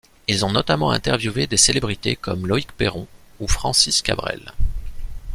Ils ont notamment interviewé des célébrités comme Loïc Peyron ou Francis Cabrel.